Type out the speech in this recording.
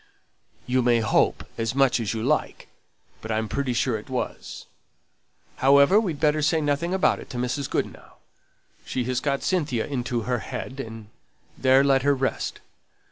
"You may hope as much as you like, but I'm pretty sure it was. However, we'd better say nothing about it to Mrs. Goodenough; she has got Cynthia into her head, and there let her rest.